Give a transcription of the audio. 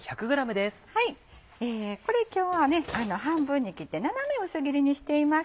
これ今日は半分に切って斜め薄切りにしています。